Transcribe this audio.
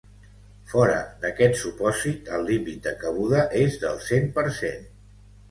Fora d’aquest supòsit, el límit de cabuda és del cent per cent.